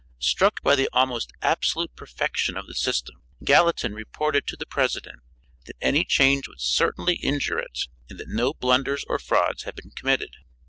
Struck by the almost absolute perfection of the system, Gallatin reported to the President that any change would certainly injure it and that no blunders or frauds had been committed.